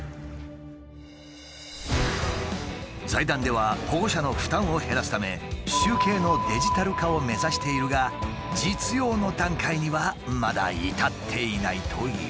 財団では保護者の負担を減らすため集計のデジタル化を目指しているが実用の段階にはまだ至っていないという。